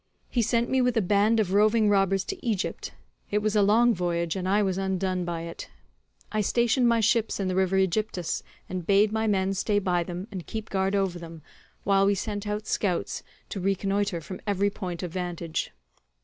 He sent me with a band of roving robbers to Egypt; it was a long voyage and I was undone by it. I stationed my ships in the river Aegyptus, and bade my men stay by them and keep guard over them, while I sent out scouts to reconnoitre from every point of vantage.